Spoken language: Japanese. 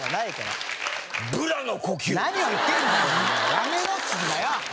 やめろっつうんだよ！